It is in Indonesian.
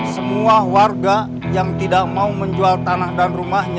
semua warga yang tidak mau menjual tanah dan rumahnya